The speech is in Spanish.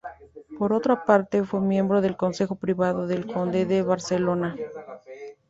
Por otra parte, fue miembro del consejo privado del conde de Barcelona.